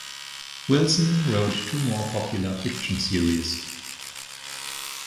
Wilson wrote two more popular fiction series.